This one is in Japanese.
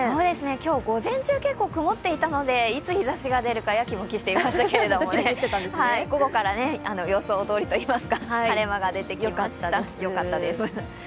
今日午前中、結構曇っていたのでいつ日ざしが出るかやきもきしていましたけれども、午後から予想どおりと言いますか、晴れ間が出てよかったです。